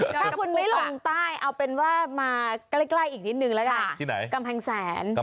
ถ้าคุณไม่ลงใต้เอาเป็นว่ามาใกล้อีกนิดนึงแล้วกันที่ไหนกำแพงแสน